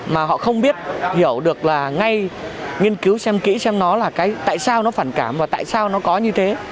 mà họ không biết hiểu được là ngay nghiên cứu xem kỹ xem nó là tại sao nó phản cảm và tại sao nó có như thế